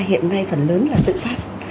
hiện nay phần lớn là tự pháp